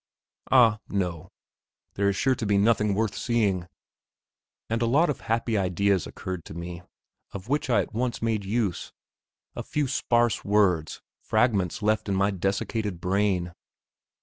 "Ah, no; there is sure to be nothing worth seeing!" And a lot of happy ideas occurred to me, of which I at once made use; a few sparse words, fragments left in my dessicated brain.